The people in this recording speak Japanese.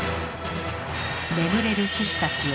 眠れる獅子たちよ